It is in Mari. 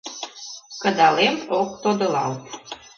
Кыдалем ок тодылалт...